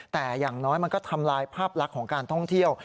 แต่อย่างน้อยมันก็ทำลายภาพลักษณ์ของการท่องเที่ยว